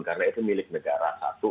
karena itu milik negara satu